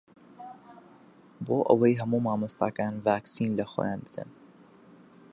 بۆ ئەوەی هەموو مامۆستاکان ڤاکسین لەخۆیان بدەن.